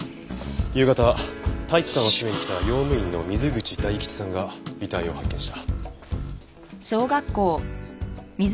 夕方体育館を閉めに来た用務員の水口大吉さんが遺体を発見した。